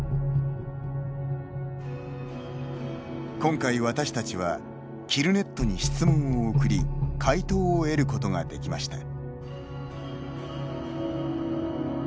今回、私たちはＫＩＬＬＮＥＴに質問を送り回答を得ることができました。